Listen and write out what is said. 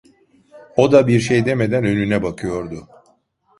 O da, bir şey demeden önüne bakıyordu.